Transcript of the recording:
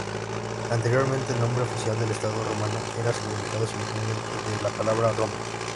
Anteriormente, el nombre oficial del estado romano era significado, simplemente, con la palabra "Roma".